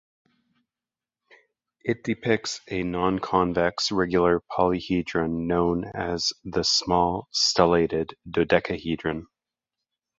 It depicts a nonconvex regular polyhedron known as the small stellated dodecahedron.